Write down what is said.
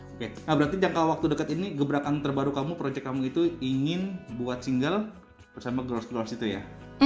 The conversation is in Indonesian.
oke nah berarti jangka waktu dekat ini gebrakan terbaru kamu proyek kamu itu ingin buat single bersama ground grounds itu ya